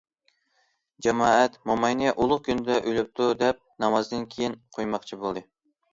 جامائەت موماينى ئۇلۇغ كۈندە ئۆلۈپتۇ، دەپ نامازدىن كېيىن قويماقچى بولدى.